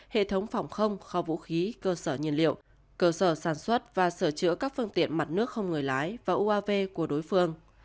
hệ thống phòng không kho vũ khí cơ sở nhiên liệu cơ sở sản xuất và sửa chữa các phương tiện mặt nước không người lái và uav của đối phương